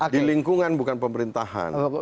di lingkungan bukan pemerintahan